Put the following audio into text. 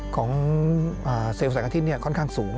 ของเซลล์แสงอาทิตย์ค่อนข้างสูง